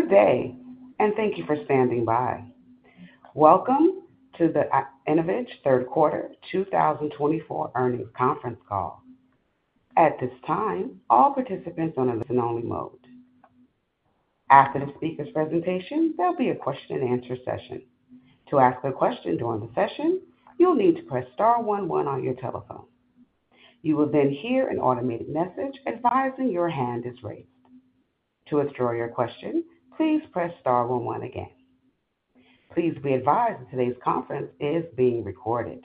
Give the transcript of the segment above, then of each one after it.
Good day, and thank you for standing by. Welcome to the InnovAge Third Quarter 2024 Earnings Conference Call. At this time, all participants are on a listen-only mode. After the speaker's presentation, there'll be a question and answer session. To ask a question during the session, you'll need to press star one one on your telephone. You will then hear an automated message advising your hand is raised. To withdraw your question, please press Star one one again. Please be advised that today's conference is being recorded.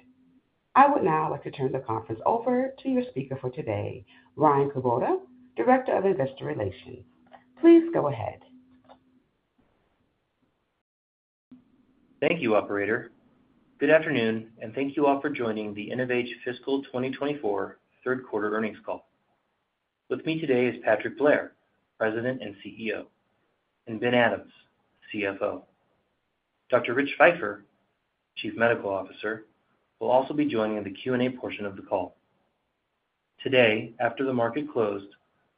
I would now like to turn the conference over to your speaker for today, Ryan Kubota, Director of Investor Relations. Please go ahead. Thank you, operator. Good afternoon, and thank you all for joining the InnovAge Fiscal 2024 third quarter earnings call. With me today is Patrick Blair, President and CEO, and Ben Adams, CFO. Dr. Rich Feifer, Chief Medical Officer, will also be joining in the Q&A portion of the call. Today, after the market closed,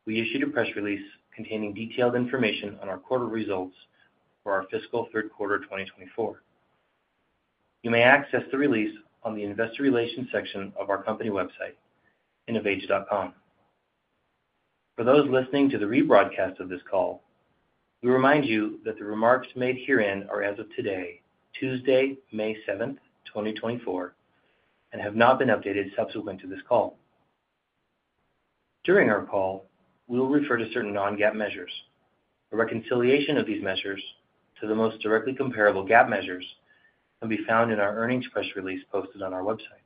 we issued a press release containing detailed information on our quarter results for our fiscal third quarter, 2024. You may access the release on the investor relations section of our company website, innovage.com. For those listening to the rebroadcast of this call, we remind you that the remarks made herein are as of today, Tuesday, May 7, 2024, and have not been updated subsequent to this call. During our call, we'll refer to certain non-GAAP measures. A reconciliation of these measures to the most directly comparable GAAP measures can be found in our earnings press release posted on our website.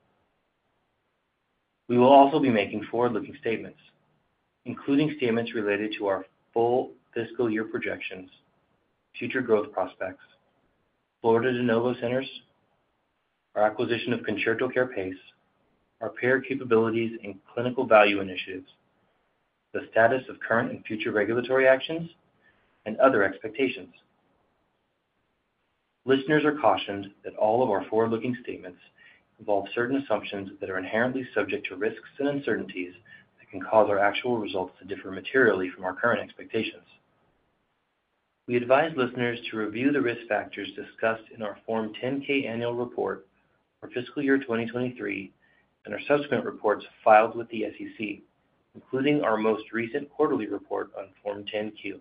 We will also be making forward-looking statements, including statements related to our full fiscal year projections, future growth prospects, Florida de novo centers, our acquisition of ConcertoCare PACE, our payer capabilities in clinical value initiatives, the status of current and future regulatory actions, and other expectations. Listeners are cautioned that all of our forward-looking statements involve certain assumptions that are inherently subject to risks and uncertainties that can cause our actual results to differ materially from our current expectations. We advise listeners to review the risk factors discussed in our Form 10-K annual report for fiscal year 2023 and our subsequent reports filed with the SEC, including our most recent quarterly report on Form 10-Q.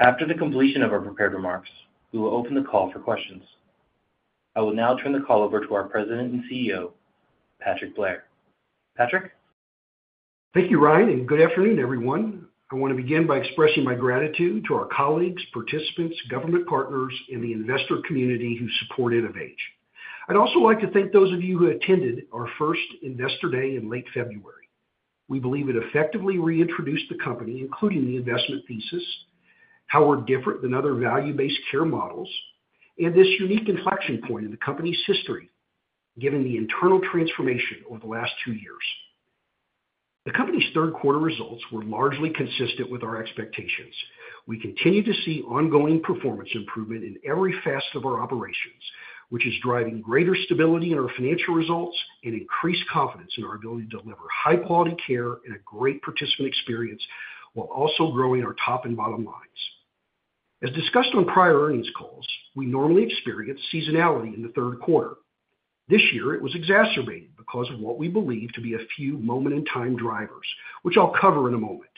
After the completion of our prepared remarks, we will open the call for questions. I will now turn the call over to our President and CEO, Patrick Blair. Patrick? Thank you, Ryan, and good afternoon, everyone. I wanna begin by expressing my gratitude to our colleagues, participants, government partners, and the investor community who support InnovAge. I'd also like to thank those of you who attended our first Investor Day in late February. We believe it effectively reintroduced the company, including the investment thesis, how we're different than other value-based care models, and this unique inflection point in the company's history, given the internal transformation over the last two years. The company's third quarter results were largely consistent with our expectations. We continue to see ongoing performance improvement in every facet of our operations, which is driving greater stability in our financial results and increased confidence in our ability to deliver high-quality care and a great participant experience, while also growing our top and bottom lines. As discussed on prior earnings calls, we normally experience seasonality in the third quarter. This year, it was exacerbated because of what we believe to be a few moment in time drivers, which I'll cover in a moment.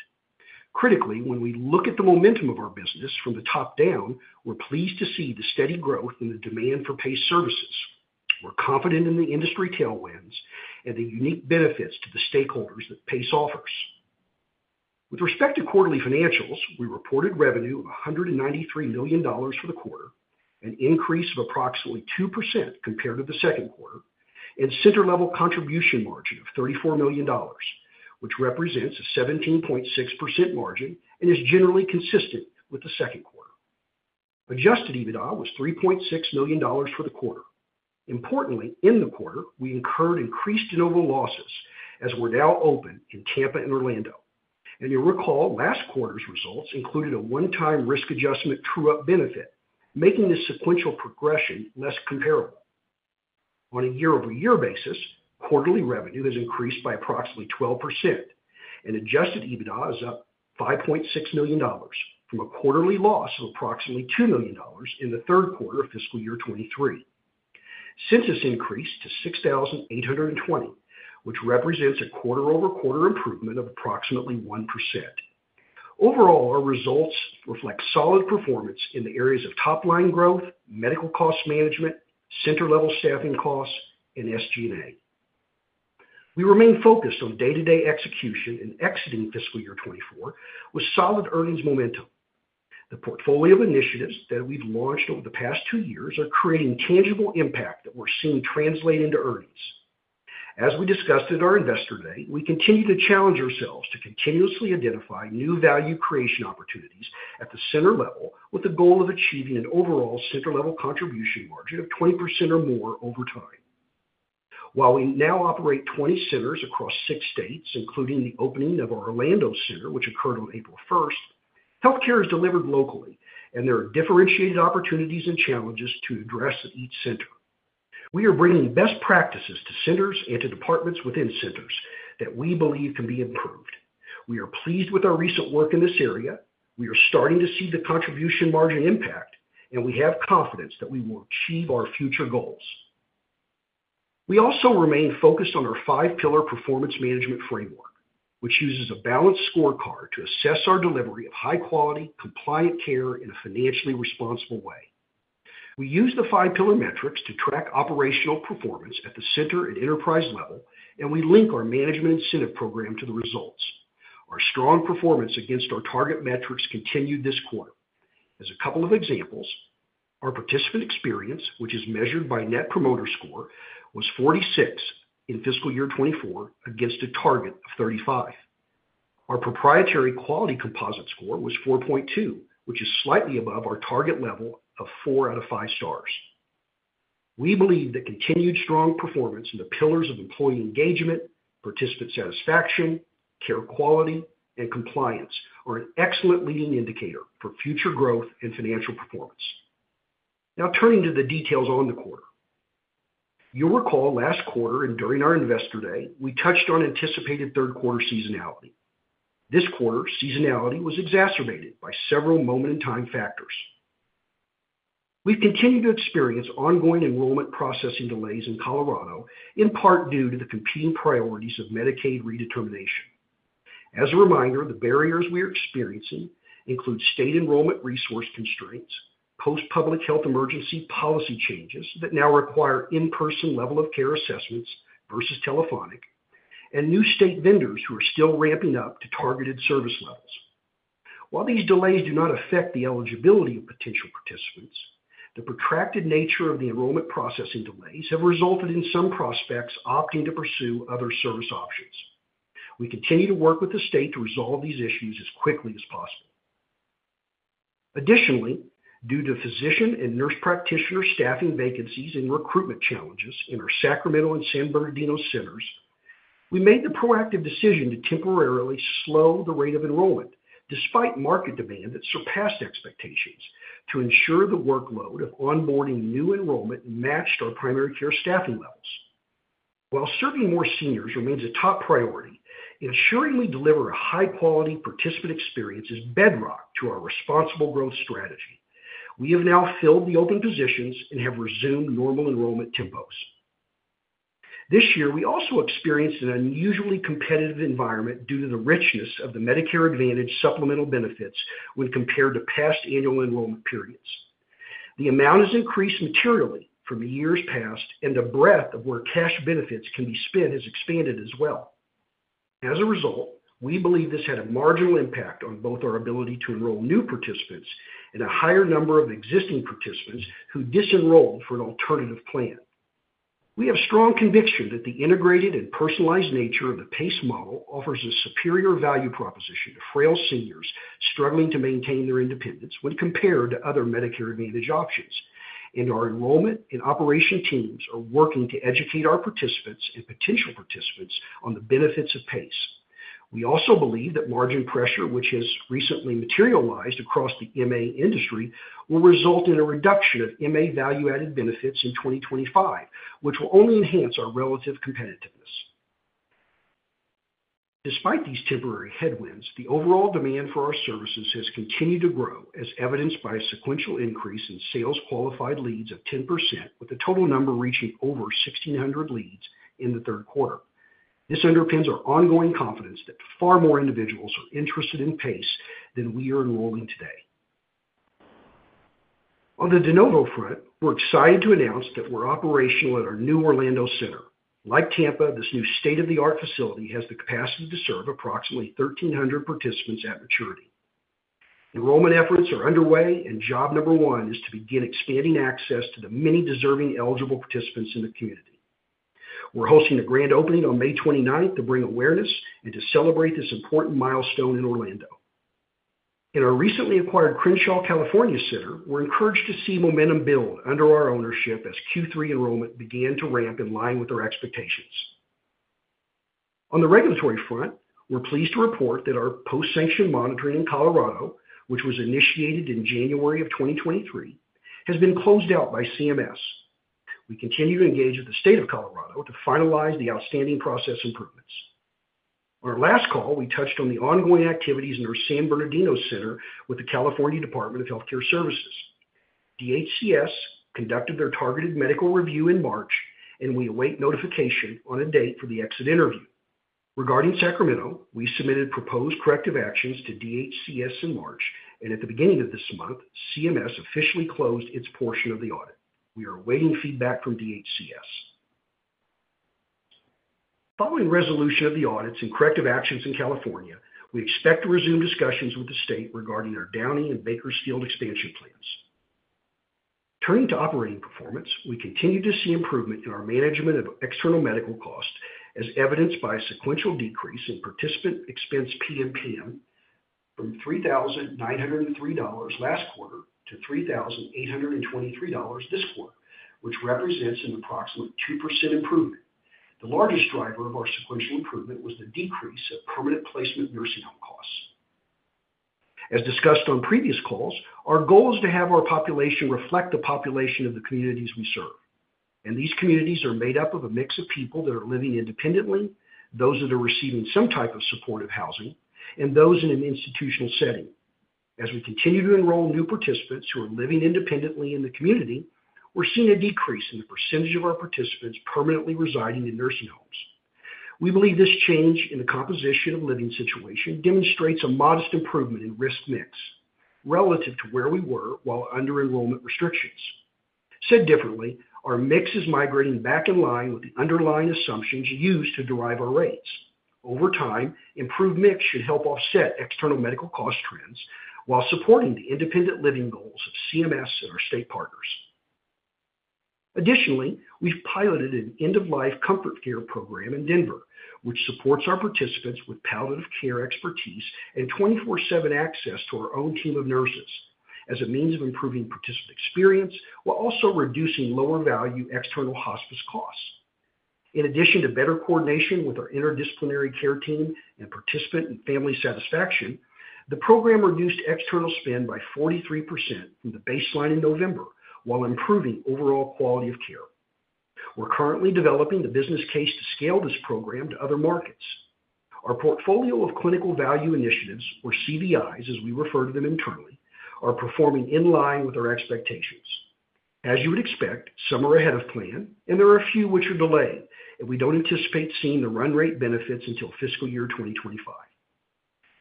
Critically, when we look at the momentum of our business from the top down, we're pleased to see the steady growth in the demand for PACE services. We're confident in the industry tailwinds and the unique benefits to the stakeholders that PACE offers. With respect to quarterly financials, we reported revenue of $193 million for the quarter, an increase of approximately 2% compared to the second quarter, and center level contribution margin of $34 million, which represents a 17.6% margin and is generally consistent with the second quarter. Adjusted EBITDA was $3.6 million for the quarter. Importantly, in the quarter, we incurred increased de novo losses as we're now open in Tampa and Orlando. You'll recall, last quarter's results included a one-time risk adjustment true-up benefit, making this sequential progression less comparable. On a year-over-year basis, quarterly revenue has increased by approximately 12%, and Adjusted EBITDA is up $5.6 million from a quarterly loss of approximately $2 million in the third quarter of fiscal year 2023. Census increased to 6,820, which represents a quarter-over-quarter improvement of approximately 1%. Overall, our results reflect solid performance in the areas of top-line growth, medical cost management, center level staffing costs, and SG&A. We remain focused on day-to-day execution and exiting fiscal year 2024 with solid earnings momentum. The portfolio of initiatives that we've launched over the past two years are creating tangible impact that we're seeing translate into earnings. As we discussed at our Investor Day, we continue to challenge ourselves to continuously identify new value creation opportunities at the center level, with the goal of achieving an overall center level contribution margin of 20% or more over time. While we now operate 20 centers across six states, including the opening of our Orlando center, which occurred on April 1st, healthcare is delivered locally, and there are differentiated opportunities and challenges to address at each center. We are bringing best practices to centers and to departments within centers that we believe can be improved. We are pleased with our recent work in this area. We are starting to see the contribution margin impact, and we have confidence that we will achieve our future goals. We also remain focused on our Five-Pillar Performance Management Framework, which uses a balanced scorecard to assess our delivery of high-quality, compliant care in a financially responsible way. We use the Five-Pillar metrics to track operational performance at the center and enterprise level, and we link our management incentive program to the results. Our strong performance against our target metrics continued this quarter. As a couple of examples, our participant experience, which is measured by Net Promoter Score, was 46 in fiscal year 2024 against a target of 35. Our proprietary quality composite score was 4.2, which is slightly above our target level of four out of five Stars. We believe that continued strong performance in the pillars of employee engagement, participant satisfaction, care quality, and compliance are an excellent leading indicator for future growth and financial performance. Now turning to the details on the quarter. You'll recall last quarter and during our investor day, we touched on anticipated third quarter seasonality. This quarter, seasonality was exacerbated by several moment-in-time factors. We've continued to experience ongoing enrollment processing delays in Colorado, in part due to the competing priorities of Medicaid Redetermination. As a reminder, the barriers we are experiencing include state enrollment resource constraints, post-public health emergency policy changes that now require in-person Level of Care assessments versus telephonic, and new state vendors who are still ramping up to targeted service levels. While these delays do not affect the eligibility of potential participants, the protracted nature of the enrollment processing delays have resulted in some prospects opting to pursue other service options. We continue to work with the state to resolve these issues as quickly as possible. Additionally, due to physician and nurse practitioner staffing vacancies and recruitment challenges in our Sacramento and San Bernardino Centers, we made the proactive decision to temporarily slow the rate of enrollment, despite market demand that surpassed expectations, to ensure the workload of onboarding new enrollment matched our primary care staffing levels. While serving more seniors remains a top priority, ensuring we deliver a high-quality participant experience is bedrock to our responsible growth strategy. We have now filled the open positions and have resumed normal enrollment tempos. This year, we also experienced an unusually competitive environment due to the richness of the Medicare Advantage supplemental benefits when compared to past annual enrollment periods. The amount has increased materially from the years past, and the breadth of where cash benefits can be spent has expanded as well. As a result, we believe this had a marginal impact on both our ability to enroll new participants and a higher number of existing participants who dis-enrolled for an alternative plan. We have strong conviction that the integrated and personalized nature of the PACE model offers a superior value proposition to frail seniors struggling to maintain their independence when compared to other Medicare Advantage options. Our enrollment and operation teams are working to educate our participants and potential participants on the benefits of PACE. We also believe that margin pressure, which has recently materialized across the MA industry, will result in a reduction of MA value-added benefits in 2025, which will only enhance our relative competitiveness. Despite these temporary headwinds, the overall demand for our services has continued to grow, as evidenced by a sequential increase in sales-qualified leads of 10%, with the total number reaching over 1,600 leads in the third quarter. This underpins our ongoing confidence that far more individuals are interested in PACE than we are enrolling today. On the de novo front, we're excited to announce that we're operational at our new Orlando center. Like Tampa, this new state-of-the-art facility has the capacity to serve approximately 1,300 participants at maturity. Enrollment efforts are underway, and job number one is to begin expanding access to the many deserving eligible participants in the community. We're hosting a grand opening on May 29th to bring awareness and to celebrate this important milestone in Orlando. In our recently acquired Crenshaw, California, center, we're encouraged to see momentum build under our ownership as Q3 enrollment began to ramp in line with our expectations. On the regulatory front, we're pleased to report that our post-sanction monitoring in Colorado, which was initiated in January 2023, has been closed out by CMS. We continue to engage with the State of Colorado to finalize the outstanding process improvements. On our last call, we touched on the ongoing activities in our San Bernardino center with the California Department of Health Care Services. DHCS conducted their targeted medical review in March, and we await notification on a date for the exit interview. Regarding Sacramento, we submitted proposed corrective actions to DHCS in March, and at the beginning of this month, CMS officially closed its portion of the audit. We are awaiting feedback from DHCS. Following resolution of the audits and corrective actions in California, we expect to resume discussions with the state regarding our Downey and Bakersfield expansion plans. Turning to operating performance, we continue to see improvement in our management of external medical costs, as evidenced by a sequential decrease in participant expense PMPM from $3,903 last quarter to $3,823 this quarter, which represents an approximate 2% improvement. The largest driver of our sequential improvement was the decrease of permanent placement nursing homes. As discussed on previous calls, our goal is to have our population reflect the population of the communities we serve, and these communities are made up of a mix of people that are living independently, those that are receiving some type of supportive housing, and those in an institutional setting. As we continue to enroll new participants who are living independently in the community, we're seeing a decrease in the percentage of our participants permanently residing in nursing homes. We believe this change in the composition of living situation demonstrates a modest improvement in risk mix relative to where we were while under enrollment restrictions. Said differently, our mix is migrating back in line with the underlying assumptions used to derive our rates. Over time, improved mix should help offset external medical cost trends while supporting the independent living goals of CMS and our state partners. Additionally, we've piloted an end-of-life comfort care program in Denver, which supports our participants with palliative care expertise and 24/7 access to our own team of nurses as a means of improving participant experience while also reducing lower-value external hospice costs. In addition to better coordination with our interdisciplinary care team and participant and family satisfaction, the program reduced external spend by 43% from the baseline in November, while improving overall quality of care. We're currently developing the business case to scale this program to other markets. Our portfolio of clinical value initiatives, or CVIs, as we refer to them internally, are performing in line with our expectations. As you would expect, some are ahead of plan, and there are a few which are delayed, and we don't anticipate seeing the run rate benefits until fiscal year 2025.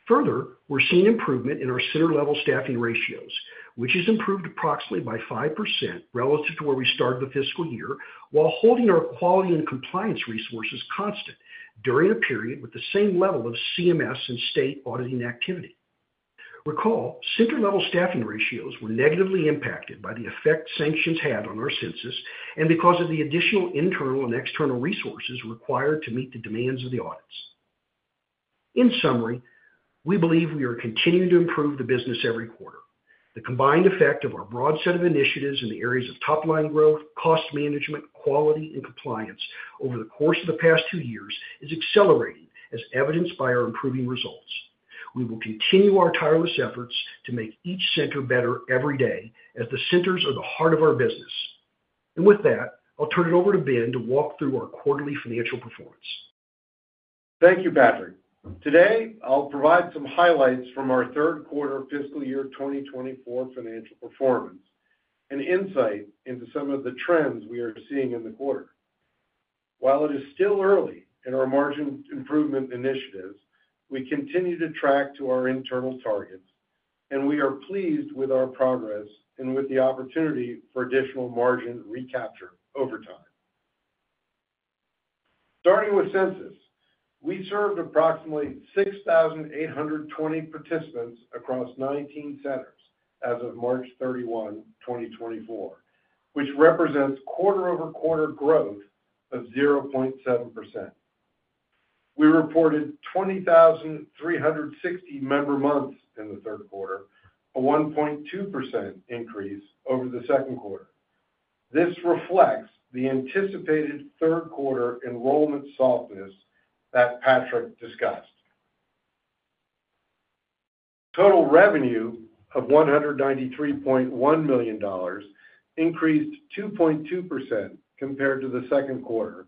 Further, we're seeing improvement in our center-level staffing ratios, which has improved approximately by 5% relative to where we started the fiscal year, while holding our quality and compliance resources constant during a period with the same level of CMS and state auditing activity. Recall, center-level staffing ratios were negatively impacted by the effect sanctions had on our census and because of the additional internal and external resources required to meet the demands of the audits. In summary, we believe we are continuing to improve the business every quarter. The combined effect of our broad set of initiatives in the areas of top-line growth, cost management, quality, and compliance over the course of the past two years is accelerating, as evidenced by our improving results. We will continue our tireless efforts to make each center better every day, as the centers are the heart of our business. With that, I'll turn it over to Ben to walk through our quarterly financial performance. Thank you, Patrick. Today, I'll provide some highlights from our third quarter fiscal year 2024 financial performance, and insight into some of the trends we are seeing in the quarter. While it is still early in our margin improvement initiatives, we continue to track to our internal targets, and we are pleased with our progress and with the opportunity for additional margin recapture over time. Starting with census, we served approximately 6,820 participants across 19 centers as of March 31, 2024, which represents quarter-over-quarter growth of 0.7%. We reported 20,360 member months in the third quarter, a 1.2% increase over the second quarter. This reflects the anticipated third quarter enrollment softness that Patrick discussed. Total revenue of $193.1 million increased 2.2% compared to the second quarter,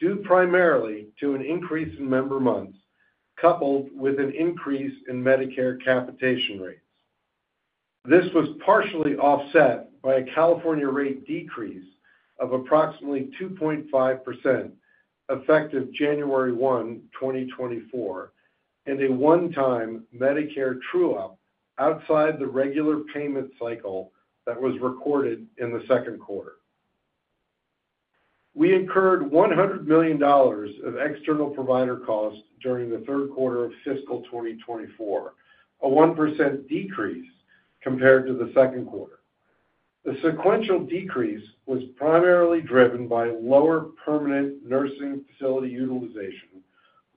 due primarily to an increase in member months, coupled with an increase in Medicare capitation rates. This was partially offset by a California rate decrease of approximately 2.5%, effective January 1, 2024, and a one-time Medicare true-up outside the regular payment cycle that was recorded in the second quarter. We incurred $100 million of external provider costs during the third quarter of fiscal 2024, a 1% decrease compared to the second quarter. The sequential decrease was primarily driven by lower permanent nursing facility utilization,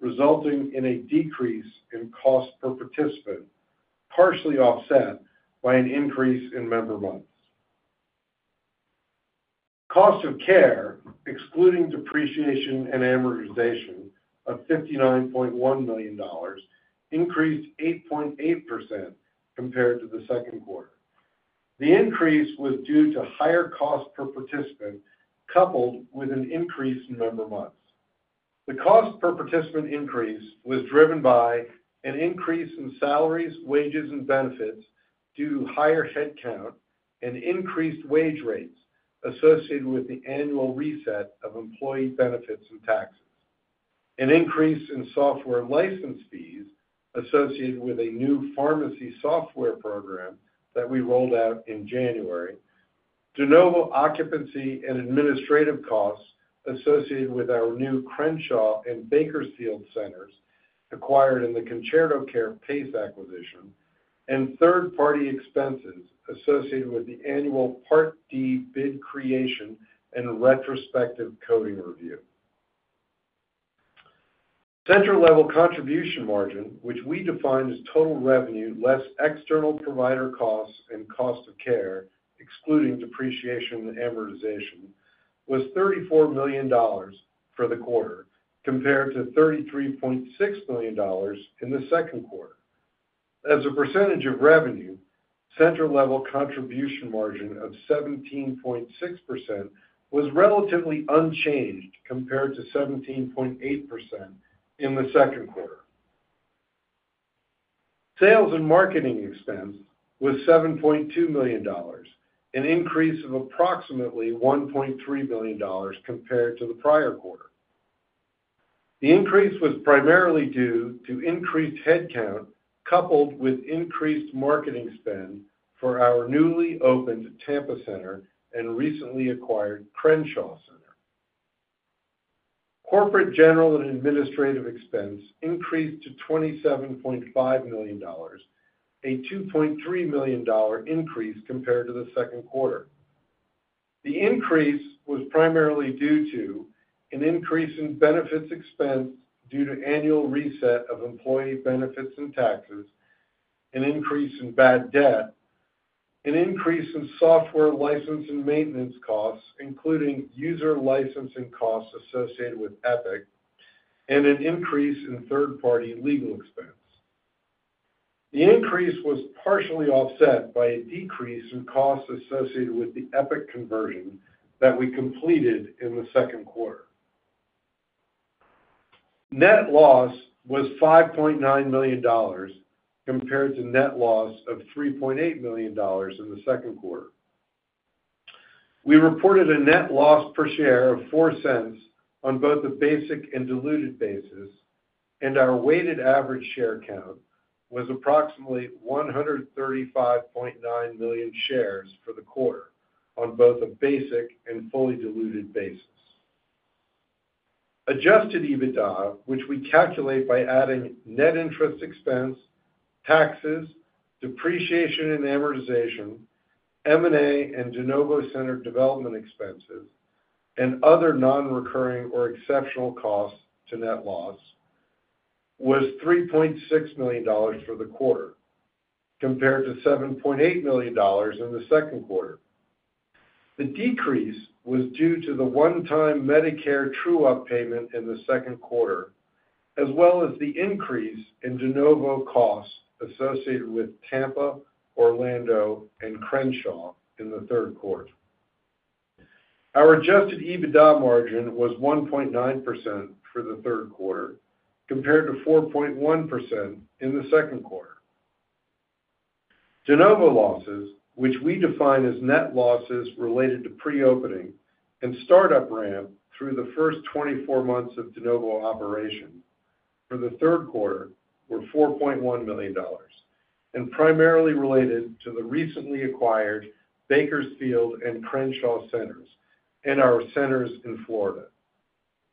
resulting in a decrease in cost per participant, partially offset by an increase in member months. Cost of care, excluding depreciation and amortization of $59.1 million, increased 8.8% compared to the second quarter. The increase was due to higher cost per participant, coupled with an increase in member months. The cost per participant increase was driven by an increase in salaries, wages, and benefits due to higher headcount and increased wage rates associated with the annual reset of employee benefits and taxes, an increase in software license fees associated with a new pharmacy software program that we rolled out in January, de novo occupancy and administrative costs associated with our new Crenshaw and Bakersfield centers acquired in the ConcertoCare PACE acquisition, and third-party expenses associated with the annual Part D bid creation and retrospective coding review. Center-level contribution margin, which we define as total revenue, less external provider costs and cost of care, excluding depreciation and amortization. was $34 million for the quarter, compared to $33.6 million in the second quarter. As a percentage of revenue, Center Level Contribution Margin of 17.6% was relatively unchanged compared to 17.8% in the second quarter. Sales and marketing expense was $7.2 million, an increase of approximately $1.3 million compared to the prior quarter. The increase was primarily due to increased headcount, coupled with increased marketing spend for our newly opened Tampa center and recently acquired Crenshaw center. Corporate, general and administrative expense increased to $27.5 million, a $2.3 million increase compared to the second quarter. The increase was primarily due to an increase in benefits expense due to annual reset of employee benefits and taxes, an increase in bad debt, an increase in software license and maintenance costs, including user licensing costs associated with Epic, and an increase in third-party legal expense. The increase was partially offset by a decrease in costs associated with the Epic conversion that we completed in the second quarter. Net loss was $5.9 million, compared to net loss of $3.8 million in the second quarter. We reported a net loss per share of $0.04 on both the basic and diluted basis, and our weighted average share count was approximately 135.9 million shares for the quarter on both a basic and fully diluted basis. Adjusted EBITDA, which we calculate by adding net interest expense, taxes, depreciation and amortization, M&A and de novo center development expenses, and other nonrecurring or exceptional costs to net loss, was $3.6 million for the quarter, compared to $7.8 million in the second quarter. The decrease was due to the one-time Medicare true-up payment in the second quarter, as well as the increase in de novo costs associated with Tampa, Orlando, and Crenshaw in the third quarter. Our Adjusted EBITDA margin was 1.9% for the third quarter, compared to 4.1% in the second quarter. De novo losses, which we define as net losses related to pre-opening and start-up ramp through the first 24 months of de novo operation for the third quarter, were $4.1 million and primarily related to the recently acquired Bakersfield and Crenshaw centers and our centers in Florida.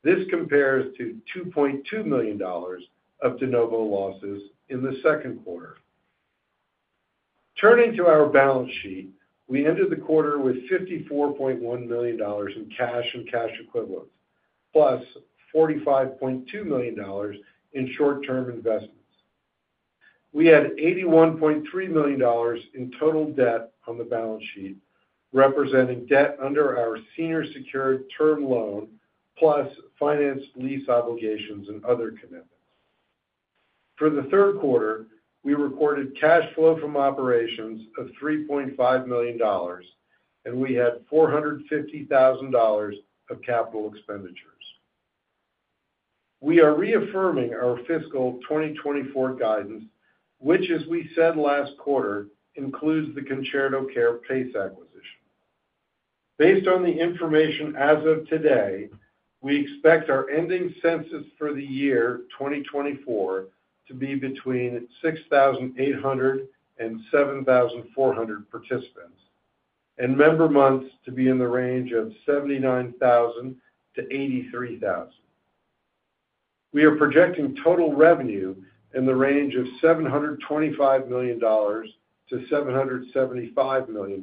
This compares to $2.2 million of de novo losses in the second quarter. Turning to our balance sheet, we ended the quarter with $54.1 million in cash and cash equivalents, plus $45.2 million in short-term investments. We had $81.3 million in total debt on the balance sheet, representing debt under our senior secured term loan, plus finance lease obligations and other commitments. For the third quarter, we recorded cash flow from operations of $3.5 million, and we had $450,000 of capital expenditures. We are reaffirming our fiscal 2024 guidance, which, as we said last quarter, includes the ConcertoCare PACE acquisition. Based on the information as of today, we expect our ending census for the year 2024 to be between 6,800 and 7,400 participants, and member months to be in the range of 79,000 to 83,000. We are projecting total revenue in the range of $725 million-$775 million,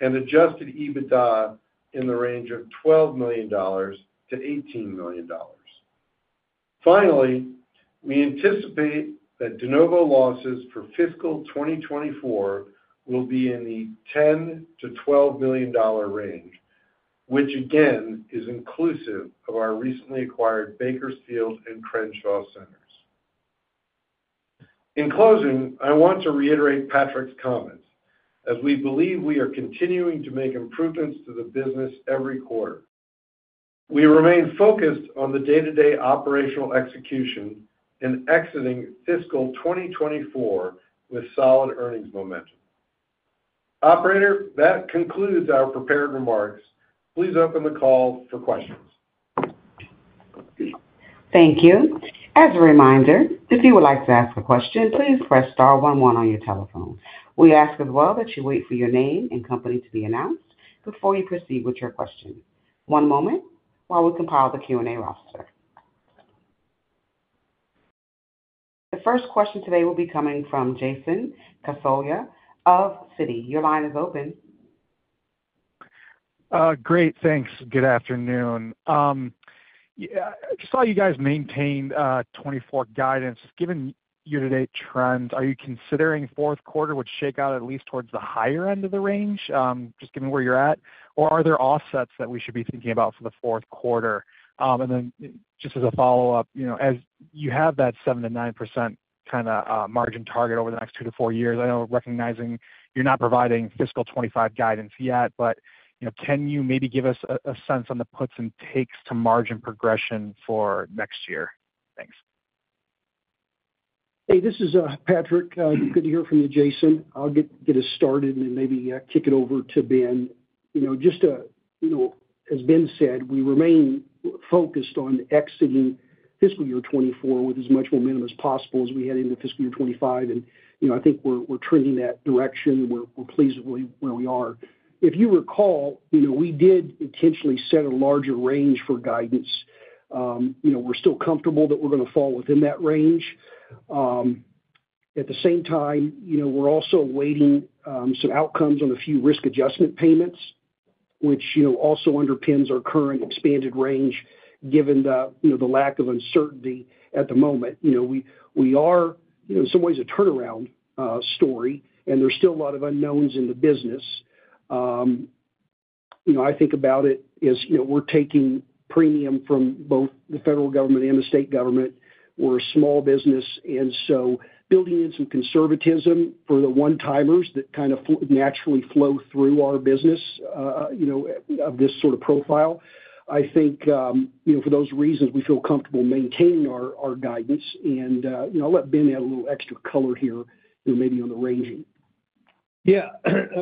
and Adjusted EBITDA in the range of $12 million-$18 million. Finally, we anticipate that de novo losses for fiscal 2024 will be in the $10 million-$12 million range, which again, is inclusive of our recently acquired Bakersfield and Crenshaw centers. In closing, I want to reiterate Patrick's comments, as we believe we are continuing to make improvements to the business every quarter. We remain focused on the day-to-day operational execution and exiting fiscal 2024 with solid earnings momentum. Operator, that concludes our prepared remarks. Please open the call for questions. Thank you. As a reminder, if you would like to ask a question, please press star one one on your telephone. We ask as well that you wait for your name and company to be announced before you proceed with your question. One moment while we compile the Q&A roster. The first question today will be coming from Jason Kasolia of Citi. Your line is open. Great, thanks. Good afternoon. Yeah, I just saw you guys maintain 2024 guidance. Given year-to-date trends, are you considering fourth quarter would shake out at least towards the higher end of the range, just given where you're at? Or are there offsets that we should be thinking about for the fourth quarter? And then just as a follow-up, you know, as you have that 7%-9% kind of margin target over the next 2-4 years, I know we're recognizing you're not providing fiscal 2025 guidance yet, but, you know, can you maybe give us a sense on the puts and takes to margin progression for next year? Thanks. Hey, this is Patrick. Good to hear from you, Jason. I'll get us started and then maybe kick it over to Ben. You know, just to, you know, as Ben said, we remain focused on exiting fiscal year 2024 with as much momentum as possible as we head into fiscal year 2025, and, you know, I think we're trending that direction. We're pleased with where we are. If you recall, you know, we did intentionally set a larger range for guidance. You know, we're still comfortable that we're gonna fall within that range. At the same time, you know, we're also awaiting some outcomes on a few risk adjustment payments, which, you know, also underpins our current expanded range, given the, you know, the lack of uncertainty at the moment. You know, we are, you know, in some ways a turnaround story, and there's still a lot of unknowns in the business. You know, I think about it as, you know, we're taking premium from both the federal government and the state government. We're a small business, and so building in some conservatism for the one-timers that kind of naturally flow through our business, you know, of this sort of profile, I think, you know, for those reasons, we feel comfortable maintaining our guidance. And, you know, I'll let Ben add a little extra color here, you know, maybe on the ranging. Yeah.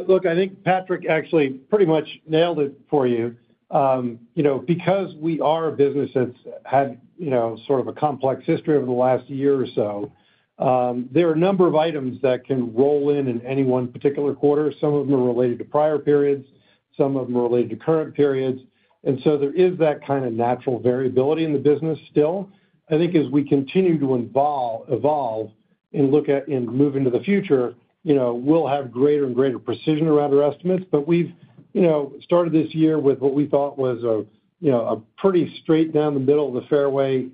Look, I think Patrick actually pretty much nailed it for you. You know, because we are a business that's had, you know, sort of a complex history over the last year or so, there are a number of items that can roll in, in any one particular quarter. Some of them are related to prior periods, some of them are related to current periods, and so there is that kind of natural variability in the business still. I think as we continue to evolve and look at and move into the future, you know, we'll have greater and greater precision around our estimates. But we've, you know, started this year with what we thought was a, you know, a pretty straight down the middle of the fairway,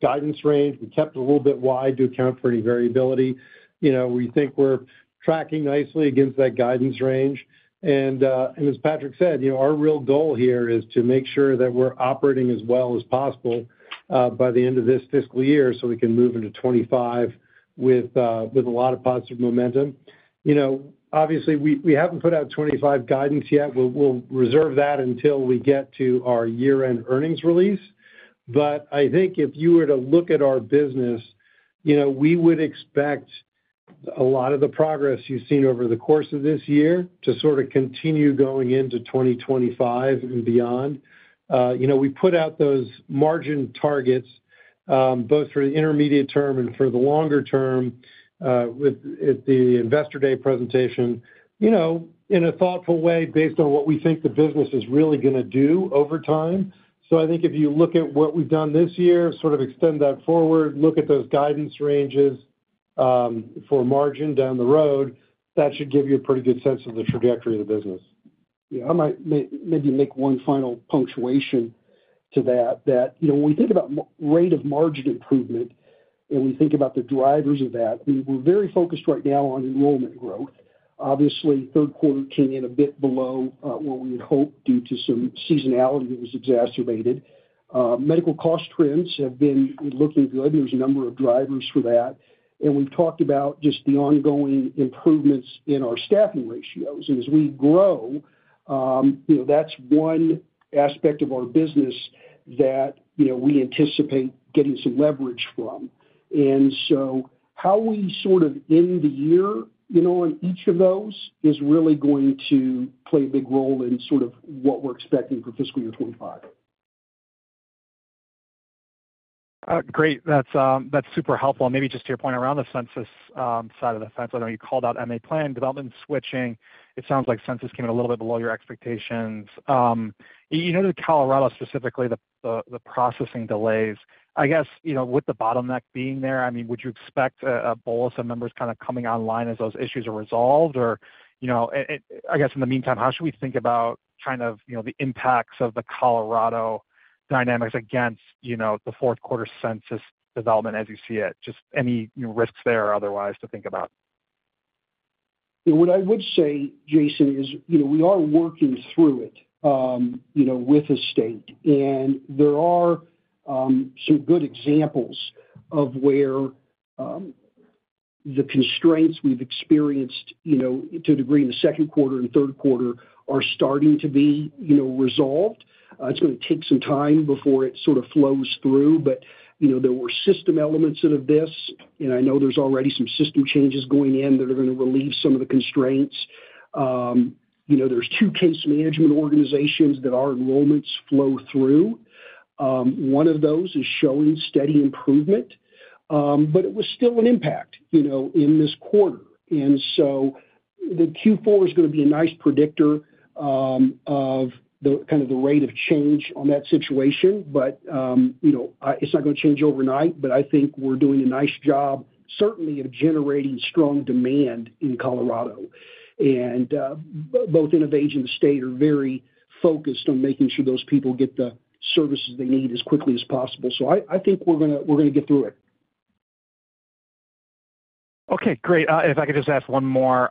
guidance range. We kept it a little bit wide to account for any variability. You know, we think we're tracking nicely against that guidance range, and, and as Patrick said, you know, our real goal here is to make sure that we're operating as well as possible, by the end of this fiscal year, so we can move into 25 with, with a lot of positive momentum. You know, obviously, we haven't put out 25 guidance yet. We'll reserve that until we get to our year-end earnings release. But I think if you were to look at our business, you know, we would expect a lot of the progress you've seen over the course of this year to sort of continue going into 2025 and beyond. You know, we put out those margin targets, both for the intermediate term and for the longer term, with at the Investor Day presentation, you know, in a thoughtful way, based on what we think the business is really gonna do over time. So I think if you look at what we've done this year, sort of extend that forward, look at those guidance ranges, for margin down the road, that should give you a pretty good sense of the trajectory of the business. Yeah, I might maybe make one final point to that, you know, when we think about rate of margin improvement, and we think about the drivers of that, we're very focused right now on enrollment growth. Obviously, third quarter came in a bit below what we had hoped, due to some seasonality that was exacerbated. Medical cost trends have been looking good. There's a number of drivers for that, and we've talked about just the ongoing improvements in our staffing ratios. As we grow, you know, that's one aspect of our business that, you know, we anticipate getting some leverage from. And so how we sort of end the year, you know, on each of those, is really going to play a big role in sort of what we're expecting for fiscal year 25. Great. That's, that's super helpful. And maybe just to your point around the census, side of the fence, I know you called out MA Plan development switching. It sounds like census came in a little bit below your expectations. You noted Colorado, specifically, the processing delays. I guess, you know, with the bottleneck being there, I mean, would you expect, a bolus of members kind of coming online as those issues are resolved? Or, you know, I guess, in the meantime, how should we think about kind of, you know, the impacts of the Colorado dynamics against, you know, the fourth quarter census development as you see it? Just any risks there or otherwise to think about? What I would say, Jason, is, you know, we are working through it, you know, with the state, and there are some good examples of where the constraints we've experienced, you know, to a degree, in the second quarter and third quarter are starting to be, you know, resolved. It's gonna take some time before it sort of flows through, but, you know, there were system elements out of this, and I know there's already some system changes going in that are gonna relieve some of the constraints. You know, there's two case management organizations that our enrollments flow through. One of those is showing steady improvement, but it was still an impact, you know, in this quarter. And so the Q4 is gonna be a nice predictor of the, kind of the rate of change on that situation. But, you know, it's not gonna change overnight, but I think we're doing a nice job, certainly of generating strong demand in Colorado. And, both InnovAge and the state are very focused on making sure those people get the services they need as quickly as possible. So I think we're gonna get through it. Okay, great. If I could just ask one more.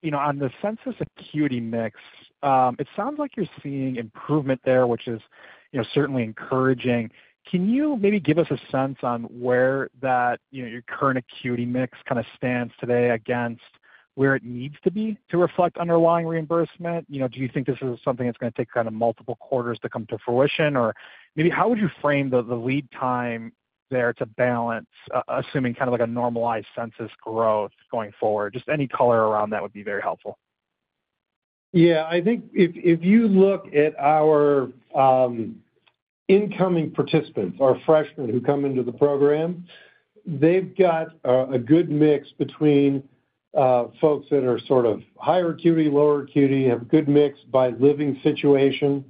You know, on the census acuity mix, it sounds like you're seeing improvement there, which is, you know, certainly encouraging. Can you maybe give us a sense on where that, you know, your current acuity mix kind of stands today against where it needs to be to reflect underlying reimbursement? You know, do you think this is something that's gonna take kind of multiple quarters to come to fruition? Or maybe how would you frame the, the lead time there to balance, assuming kind of like a normalized census growth going forward? Just any color around that would be very helpful. Yeah, I think if you look at our incoming participants, our freshmen who come into the program, they've got a good mix between folks that are sort of higher acuity, lower acuity, have good mix by living situation.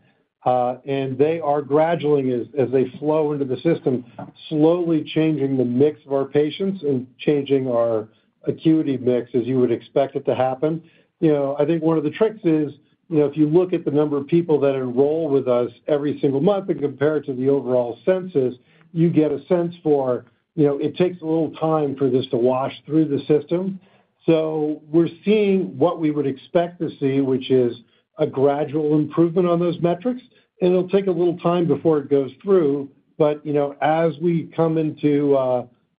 And they are gradually, as they flow into the system, slowly changing the mix of our patients and changing our acuity mix, as you would expect it to happen. You know, I think one of the tricks is, you know, if you look at the number of people that enroll with us every single month and compare it to the overall census, you get a sense for, you know, it takes a little time for this to wash through the system. So we're seeing what we would expect to see, which is a gradual improvement on those metrics, and it'll take a little time before it goes through. But, you know, as we come into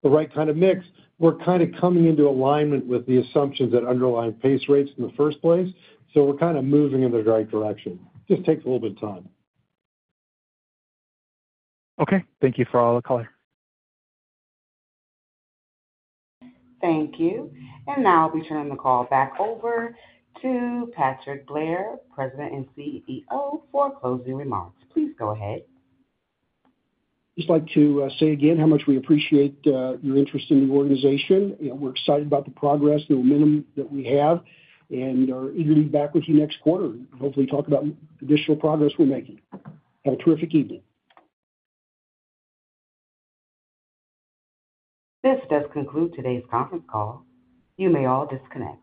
the right kind of mix, we're kind of coming into alignment with the assumptions that underlie PACE rates in the first place. So we're kind of moving in the right direction. Just takes a little bit of time. Okay. Thank you for all the color. Thank you. Now I'll be turning the call back over to Patrick Blair, President and CEO, for closing remarks. Please go ahead. Just like to say again how much we appreciate your interest in the organization. You know, we're excited about the progress, the momentum that we have, and are eagerly back with you next quarter, and hopefully talk about additional progress we're making. Have a terrific evening. This does conclude today's conference call. You may all disconnect.